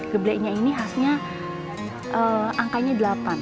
geblenya ini khasnya angkanya delapan